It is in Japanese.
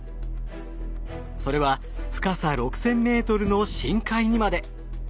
それは深さ６，０００ｍの深海にまで。